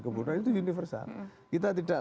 kemudian itu universal kita tidak